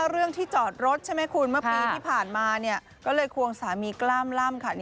เรื่องที่จอดรถใช่ไหมคุณเมื่อปีที่ผ่านมาก็เลยควงสามีกล้ามล่ำค่ะ